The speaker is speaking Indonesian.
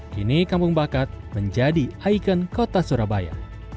kini kampung bakat menjadi ikon kota yang terbaik